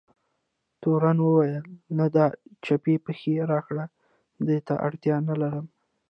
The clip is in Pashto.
تورن وویل: نه، د چپې پښې راکړه، دې ته اړتیا نه لرم.